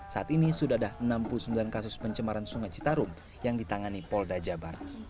saat ini sudah ada enam puluh sembilan kasus pencemaran sungai citarum yang ditangani polda jabar